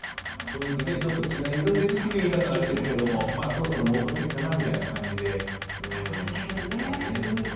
気が緩んでいるという言い方はあれですけど、そろそろ戻ってきたなという感じがありましたけどね。